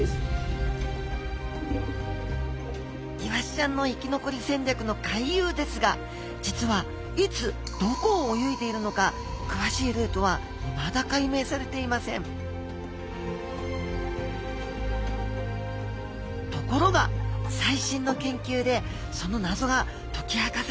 イワシちゃんの生き残り戦略の回遊ですが実はいつどこを泳いでいるのかくわしいルートはいまだ解明されていませんところが最新の研究でその謎が解き明かされようとしています